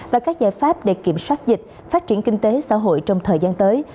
và các giải pháp để kiểm soát dịch phát triển kinh tế xã hội trong thời gian tới